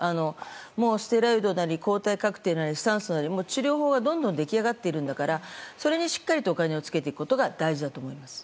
もうステロイドなり抗体カクテルなり、酸素なり治療法はどんどんでき上がっているんだからそれにしっかりとお金をつけていくことが大事だと思います。